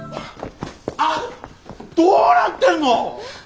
どうなってんの！